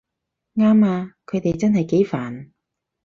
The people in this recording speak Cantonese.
啱吖，佢哋真係幾煩